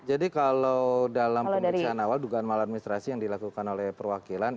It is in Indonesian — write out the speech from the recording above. jadi kalau dalam pemeriksaan awal dugaan maladministrasi yang dilakukan oleh perwakilan